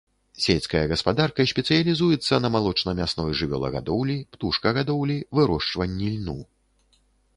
Сельская гаспадарка спецыялізуецца на малочна-мясной жывёлагадоўлі, птушкагадоўлі, вырошчванні льну.